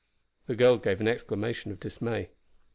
The girl gave an exclamation of dismay.